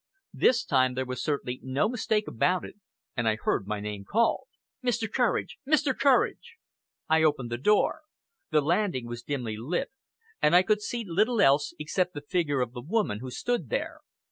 This time there was certainly no mistake about it, and I heard my name called "Mr. Courage! Mr. Courage!" I opened the door. The landing was dimly lit, and I could see little else except the figure of the woman who stood there.